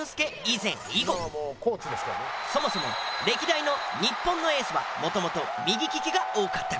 そもそも歴代の日本のエースは元々右利きが多かったが。